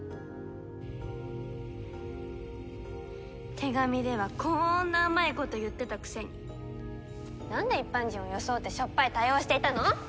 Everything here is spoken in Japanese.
手紙ではこんな甘いこと言ってたくせになんで一般人を装ってしょっぱい対応していたの！？